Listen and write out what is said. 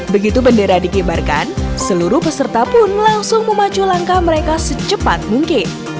begitu bendera dikibarkan seluruh peserta pun langsung memacu langkah mereka secepat mungkin